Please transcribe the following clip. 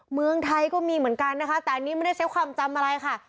เมืองไทยก็มีเหมือนกันนะคะแต่อันนี้ไม่ได้ใช้ความจำอะไรค่ะ